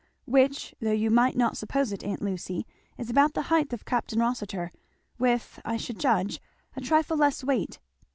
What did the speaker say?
"Which, though you might not suppose it, aunt Lucy, is about the height of Capt. Rossitur, with I should judge a trifle less weight."